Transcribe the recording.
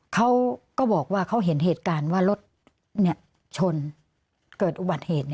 เขาก็บอกว่าเขาเห็นเหตุการณ์ว่ารถชนเกิดอุบัติเหตุ